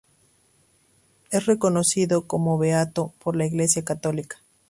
Es reconocido como beato por la Iglesia católica.